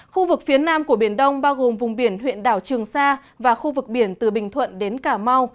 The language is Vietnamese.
khu vực phía nam của biển đông bao gồm vùng biển huyện đảo trường sa và khu vực biển từ bình thuận đến cà mau